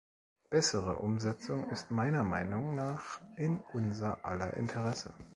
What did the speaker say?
Bessere Umsetzung ist meiner Meinung nach in unser aller Interesse.